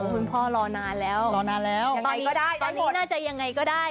คุณพ่อรอนานแล้วรอนานแล้วตอนนี้น่าจะยังไงก็ได้